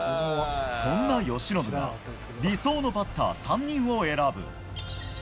そんな由伸が、理想のバッター３人を選ぶ。